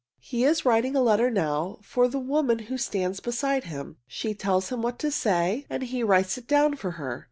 He is writing a letter now for the woman who stands beside him. She tells him what she wants to say and he writes it down for her.